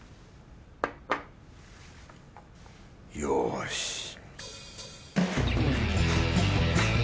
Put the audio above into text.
よし